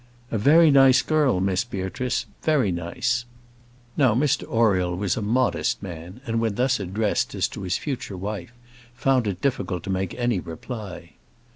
"A very nice girl, Miss Beatrice; very nice." Now Mr Oriel was a modest man, and, when thus addressed as to his future wife, found it difficult to make any reply.